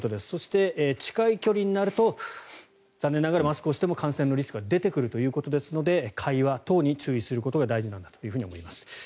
そして、近い距離になると残念ながらマスクをしても感染のリスクは出てくるということですので会話等に注意することが大事なんだと思います。